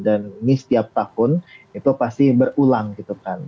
dan ini setiap tahun itu pasti berulang gitu kan